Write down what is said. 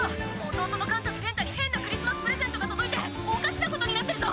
弟の寛太と健太に変なクリスマスプレゼントが届いておかしなことになってるぞ！